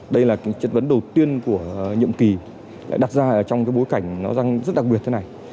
đây là chất vấn đầu tiên của nhiệm kỳ đặt ra trong bối cảnh rất đặc biệt thế này